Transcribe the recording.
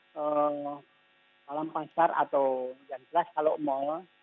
malam pasar atau yang jelas kalau mall